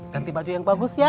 ganti baju yang bagus ya